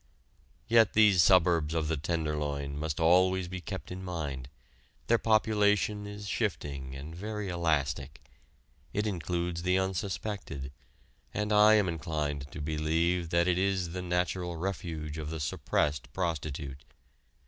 Yet these suburbs of the Tenderloin must always be kept in mind; their population is shifting and very elastic; it includes the unsuspected; and I am inclined to believe that it is the natural refuge of the "suppressed" prostitute.